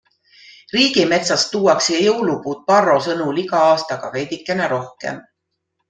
Riigimetsast tuuakse jõulupuud Parro sõnul iga aastaga veidikene rohkem.